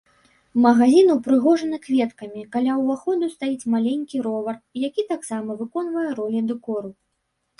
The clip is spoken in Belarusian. Магазін упрыгожаны кветкамі, каля ўваходу стаіць маленькі ровар, які таксама выконвае ролю дэкору.